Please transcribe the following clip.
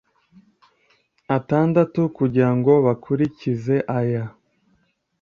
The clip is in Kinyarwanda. atandatu kugira ngo bakurikize aya